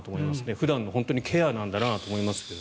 普段のケアなんだなと思いますけど。